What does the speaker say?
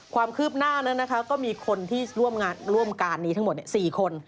ความคืบหน้านั้นนะคะก็มีคนที่ร่วมการนี้ทั้งหมด๔คน